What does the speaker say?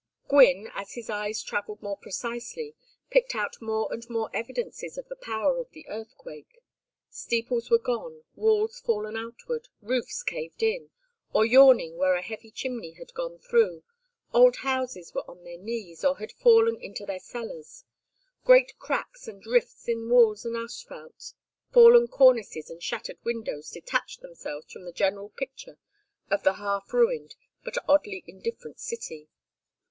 Gwynne, as his eyes travelled more precisely, picked out more and more evidences of the power of the earthquake. Steeples were gone, walls fallen outward, roofs caved in, or yawning where a heavy chimney had gone through, old houses were on their knees, or had fallen into their cellars. Great cracks and rifts in walls and asphalt, fallen cornices and shattered windows detached themselves from the general picture of the half ruined but oddly indifferent city.